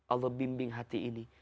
allah bimbing hati ini